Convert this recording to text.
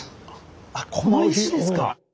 あっこの石ですか。